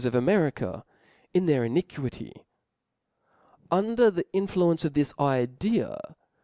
o£ of America in their iniquity ('). Under the influ qu^°of ence of this idea, t.